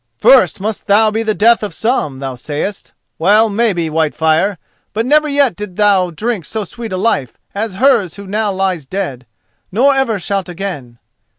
"'First must thou be the death of some,' thou sayest? Well, maybe, Whitefire! But never yet didst thou drink so sweet a life as hers who now lies dead, nor ever shalt again."